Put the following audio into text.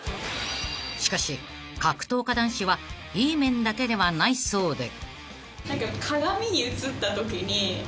［しかし格闘家男子はいい面だけではないそうで］